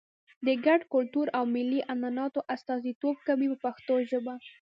د ګډ کلتور او ملي عنعنو استازیتوب کوي په پښتو ژبه.